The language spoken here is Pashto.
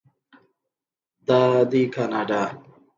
دا دی کاناډا.